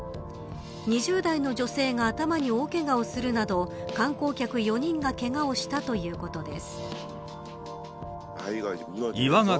２０代の女性が頭に大けがをするなど観光客４人がけがをしたということです。